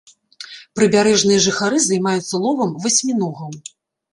Прыбярэжныя жыхары займаюцца ловам васьміногаў.